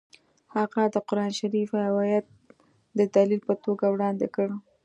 هغه د قران شریف یو ایت د دلیل په توګه وړاندې کړ